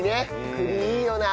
栗いいよな。